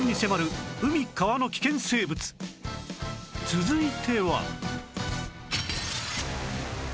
続いては